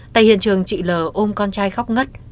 tại hiện trường chị l ôm con trai khóc ngất